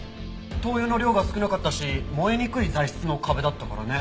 灯油の量が少なかったし燃えにくい材質の壁だったからね。